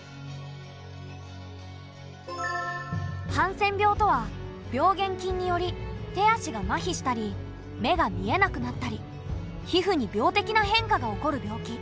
ハンセン病とは病原きんにより手足がまひしたり目が見えなくなったり皮膚に病的な変化が起こる病気。